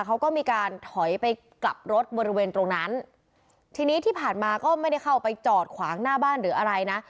เขาก็มีการถอยไปกลับรถบริเวณตรงนั้นทีนี้ที่ผ่านมาก็ไม่ได้เข้าไปจอดขวางหน้าบ้านหรืออะไรนะ